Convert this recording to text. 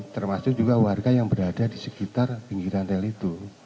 termasuk juga warga yang berada di sekitar pinggiran rel itu